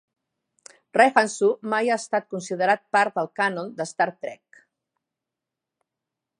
'Rihannsu' mai ha estat considerat part del cànon de 'Star Trek'.